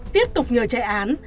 tiếp tục nhờ chạy án